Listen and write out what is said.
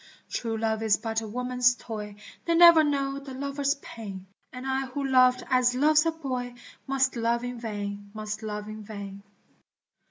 True love is but a woman's toy, They never know the lover's pain, And I who loved as loves a boy Must love in vain, must love in vain.